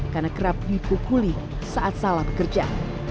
karena kerap dipukuli saat salah bekerja